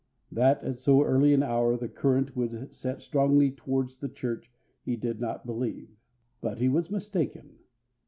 That at so early an hour the current would set strongly towards the church he did not believe. But he was mistaken.